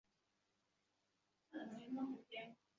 তুমি অবশ্যই আরেকটি বই কিনে নেবে।